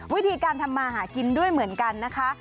วิธีการทำมาหากินด้วยเหมือนกันนะคะ